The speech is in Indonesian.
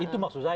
itu maksud saya